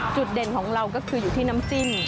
จุดเด่นของเราก็คืออยู่ที่น้ำจิ้ม